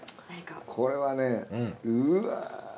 これはねうわ。